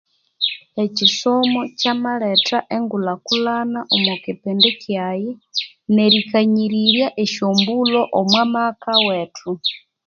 Ekyisomo Kya maletha engulhakulhana omo kipindi kiayi neri kanyirirya esyo mbulho omo maka wethu